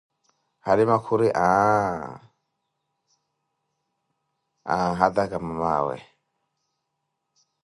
Halima khuri aaa, anhataka mamawe